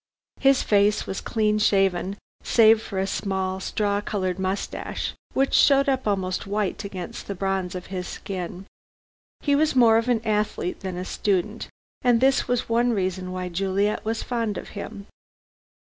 His face was clean shaven save for a small straw colored moustache, which showed up almost white against the bronze of his face. He was more of an athlete than a student, and this was one reason why Juliet was fond of him.